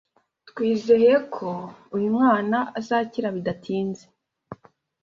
twizeye ko uyu mwana azakira bidatinze